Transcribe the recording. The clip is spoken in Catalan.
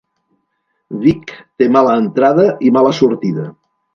Vic té mala entrada i mala sortida.